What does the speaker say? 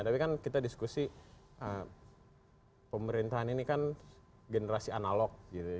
tapi kan kita diskusi pemerintahan ini kan generasi analog